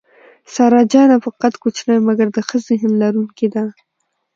سارا جانه په قد کوچنۍ مګر د ښه ذهن لرونکې ده.